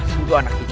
sendua anak itu